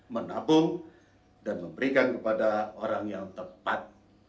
menabung dan memberikan kepada orang yang tepat